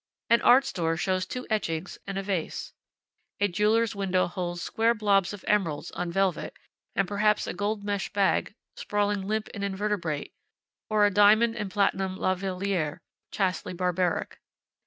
An art store shows two etchings, and a vase. A jeweler's window holds square blobs of emeralds, on velvet, and perhaps a gold mesh bag, sprawling limp and invertebrate, or a diamond and platinum la valliere, chastely barbaric.